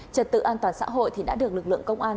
trật tự an toàn xã hội thì đã được lực lượng công an